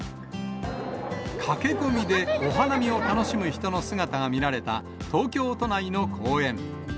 駆け込みでお花見を楽しむ人の姿が見られた東京都内の公園。